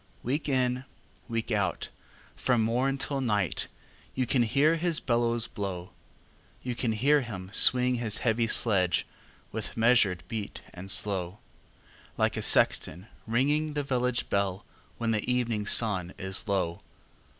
Week in, week out, from morn till night, You can hear his bellows blow; You can hear him swing his heavy sledge, With measured beat and slow, Like a sexton ringing the village bell, When the evening sun is low.